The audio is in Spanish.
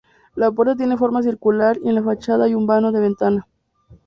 La puerta tiene forma circular y en la fachada hay un vano de ventana.